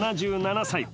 ７７歳。